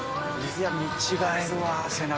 いや見違えるわ背中。